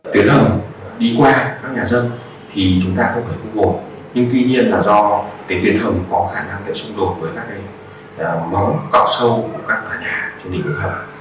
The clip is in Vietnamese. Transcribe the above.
tuy nhiên là do tuyến hầm có khả năng để xung đột với mỏng cọ sâu của các nhà trong tỉnh vực hầm